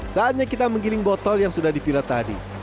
saatnya kita menggiling botol yang sudah dipilat tadi